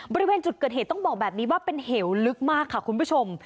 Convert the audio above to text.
บริเวณจุดเกิดเหตุต้องบอกแบบนี้ว่าเป็นเหวลึกมากค่ะคุณผู้ชม